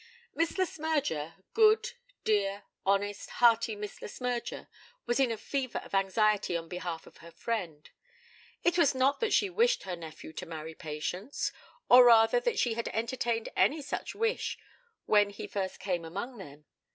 Miss Le Smyrger good, dear, honest, hearty Miss Le Smyrger, was in a fever of anxiety on behalf of her friend. It was not that she wished her nephew to marry Patience, or rather that she had entertained any such wish when he first came among them.